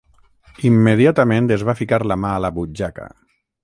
Immediatament es va ficar la la mà a la butxaca